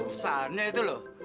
usahanya itu loh